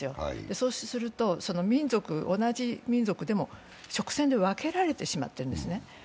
そうすると、同じ民族でも直線で分けられてしまっているんですね。